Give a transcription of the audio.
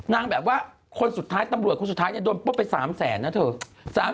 นางแบบว่าคนสุดท้ายตำรวจคนสุดท้ายเนี่ยโดนปุ๊บไป๓แสนนะเถอะ